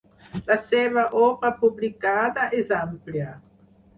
La seva obra publicada és àmplia.